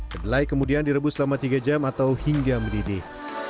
kedelai kemudian direbus selama tiga jam atau hingga mendidih